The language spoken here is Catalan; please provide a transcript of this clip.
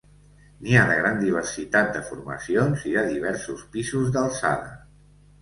N'hi ha de gran diversitat de formacions i de diversos pisos d'alçada.